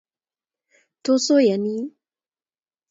Tos oyani?